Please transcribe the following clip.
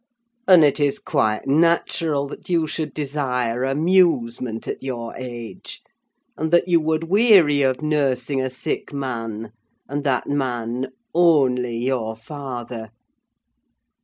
And it is quite natural that you should desire amusement at your age; and that you would weary of nursing a sick man, and that man only your father.